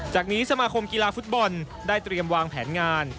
จากนี้สมาคมกีฬาฟุตบอลได้เตรียมวางแผนงาน